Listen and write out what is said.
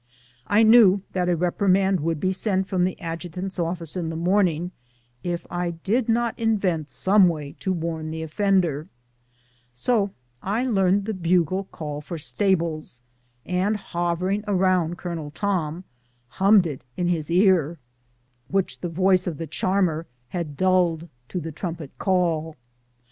I knew that a reprimand would be sent from the adjutant's office in the morning if I did not invent some way to warn the offender, so I learned the bugle call for stables, and hovering around Colonel Tom, hummed it in his ear, which the voice of the charmer had dulled to the trumpet call.